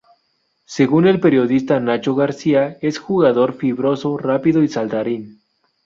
Según el periodista Nacho García es jugador "Fibroso, rápido y saltarín.